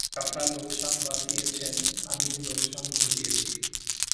কাকা লোকসান বাঁচিয়েছেন, আমি লোকসান ঘটিয়েছি।